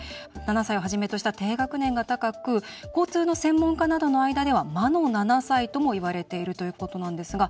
７歳をはじめとした低学年が高く交通の専門家の間などでは魔の７歳と呼ばれているそうなんですね。